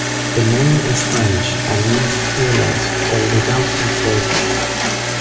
The name is French and means 'peerless' or 'without equal'.